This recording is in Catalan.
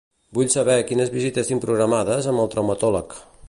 Vull saber quines visites tinc programades amb el traumatòleg.